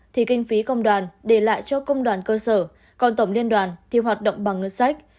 thì kinh phí công đoàn để lại cho công đoàn cơ sở còn tổng liên đoàn thì hoạt động bằng ngân sách